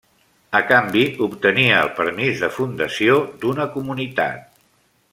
A canvi, obtenia el permís de fundació d'una comunitat.